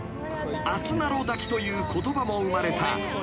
［あすなろ抱きという言葉も生まれた］